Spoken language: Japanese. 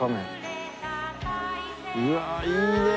うわあいいねえ。